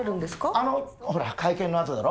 あの会見のあとだろ？